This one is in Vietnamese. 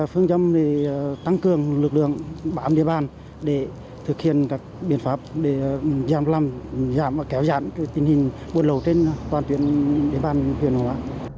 phương chấm tăng cường lực lượng bám địa bàn để thực hiện các biện pháp để giảm kéo dạn tình hình buôn lậu trên toàn tuyến địa bàn huyện hóa